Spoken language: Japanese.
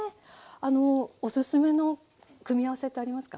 おすすめの組み合わせってありますか？